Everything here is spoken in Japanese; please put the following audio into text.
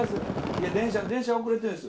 いや電車電車遅れてんですよ。